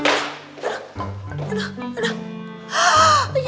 aduh aduh aduh